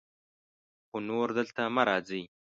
خو نور دلته مه راځئ.